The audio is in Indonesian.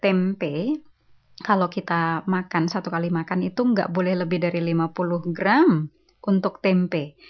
tempe kalau kita makan satu kali makan itu tidak boleh lebih dari lima puluh gram untuk tempe